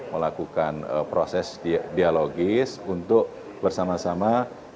melakukan proses dialogis untuk bersama sama